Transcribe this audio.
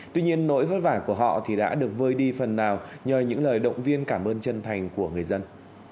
tuy nhiên nỗi vất vả của họ thì đã được vơi đi phần nào nhờ những lời động viên cảm ơn chân thành của người dân